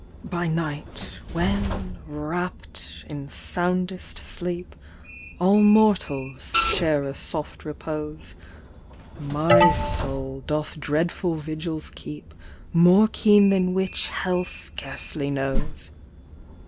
232 THE VAMPYRE. " By night, when, wrapt in soundest sleep, All mortals share a soft repose, My soul doth dreadful vigils keep, More keen than which hell scarcely knows.